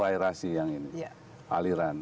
aerasi yang ini aliran